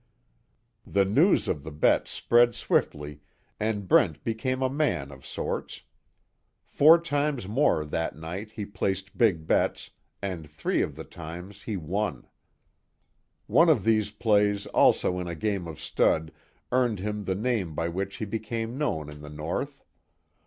The news of the bet spread swiftly and Brent became a man of sorts. Four times more that night he placed big bets and three of the times he won. One of these plays also in a game of stud earned him the name by which he became known in the North.